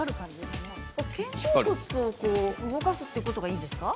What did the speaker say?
肩甲骨を動かすことがいいんですか？